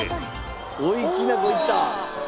「追いきなこいった！」